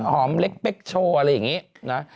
เล็กเป๊กโชว์อะไรอย่างนี้นะ